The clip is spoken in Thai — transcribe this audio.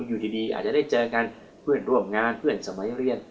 อยู่ดีอาจจะได้เจอกันเพื่อนร่วมงานเพื่อนสมัยเรียน